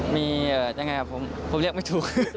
มียังไงครับผมผมเรียกไม่ถูก